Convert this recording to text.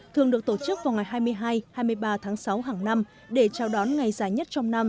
thường được tổ chức vào ngày hai mươi hai hai mươi ba tháng sáu hàng năm để chào đón ngày dài nhất trong năm